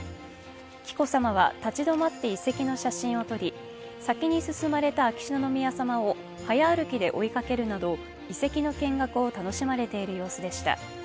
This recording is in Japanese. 紀子さまは立ち止まって遺跡の写真を撮り先に進まれた秋篠宮さまを早歩きで追いかけるなど、遺跡の見学を楽しまれている様子でした。